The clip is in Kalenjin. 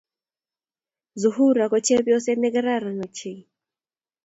Zuhura ko chepnyoset negararan ochei